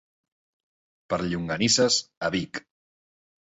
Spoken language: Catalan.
Per llonganisses, a Vic.